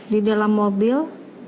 di dalam mobil